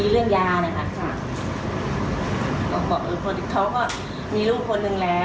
คดีเรื่องยาบอกว่าเขาก็มีลูกคนหนึ่งแล้ว